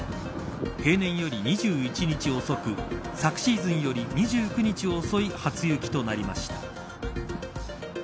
平年より２１日遅く昨シーズンより２９日遅い初雪となりました。